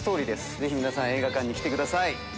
ぜひ皆さん映画館に来てください。